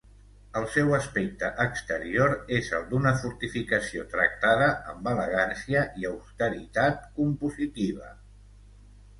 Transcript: El seu aspecte exterior és el d'una fortificació tractada amb elegància i austeritat compositiva.